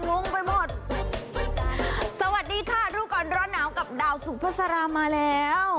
งงไปหมดสวัสดีค่ะรู้ก่อนร้อนหนาวกับดาวสุภาษามาแล้ว